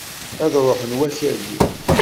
Ad ruḥen wakali!